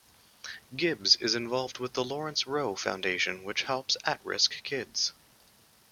Gibbs is involved with the Lawrence Rowe Foundation, which helps at-risk kids.